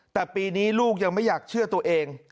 แต่ปีนี้ลูกยังไม่อยากเชื่อตัวเอง